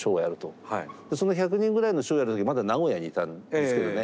その１００人ぐらいのショーをやる時まだ名古屋にいたんですけどね。